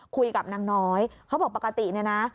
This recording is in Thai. คุยกับน้องน้อยเค้าบอกปกตินะ